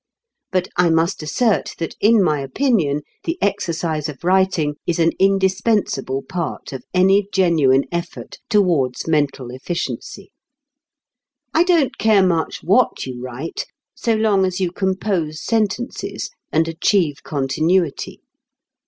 But I must assert that in my opinion the exercise of writing is an indispensable part of any genuine effort towards mental efficiency. I don't care much what you write, so long as you compose sentences and achieve continuity.